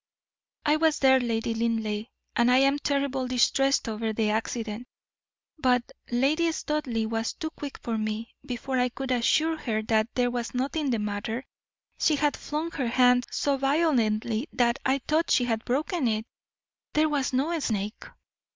"I was there, Lady Linleigh, and I am terribly distressed over the accident, but Lady Studleigh was too quick for me, before I could assure her that there was nothing the matter, she had flung her hand so violently that I thought she had broken it. There was no snake."